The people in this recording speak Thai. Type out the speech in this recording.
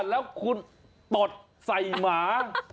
แล้วคุณตดใส่หมา